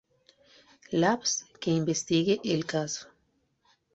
Labs que investigue el caso.